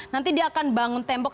nanti dia akan bangun tembok